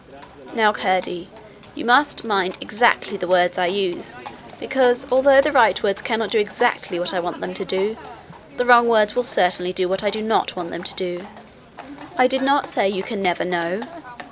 'Now, Curdie, you must mind exactly what words I use, because although the right words cannot do exactly what I want them to do, the wrong words will certainly do what I do not want them to do. I did not say you can never know.